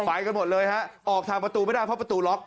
ไปกันหมดเลยฮะออกทางประตูไม่ได้เพราะประตูล็อก